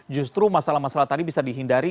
justru masalah masalah tadi bisa dihindari